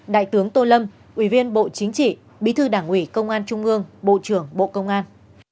đại tướng tô lâm ủy viên bộ chính trị bí thư đảng ủy công an trung ương bộ trưởng bộ công an